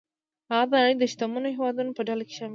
هغه د نړۍ د شتمنو هېوادونو په ډله کې شامل و.